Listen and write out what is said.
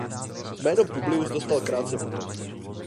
Jméno Publius dostal krátce potom.